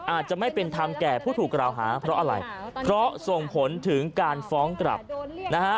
อาจจะไม่เป็นธรรมแก่ผู้ถูกกล่าวหาเพราะอะไรเพราะส่งผลถึงการฟ้องกลับนะฮะ